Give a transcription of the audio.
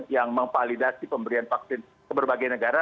yang memvalidasi pemberian vaksin ke berbagai negara